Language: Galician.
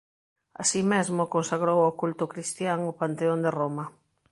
Así mesmo consagrou ao culto cristián o Panteón de Roma.